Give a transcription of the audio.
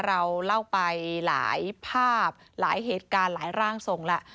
เราเล่าไปหลายภาพหลายเหตุการณ์หลายร่างทรงแล้ว